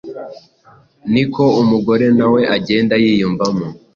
niko umugore nawe agenda yiyumvamo